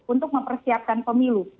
untuk mempersiapkan pemilu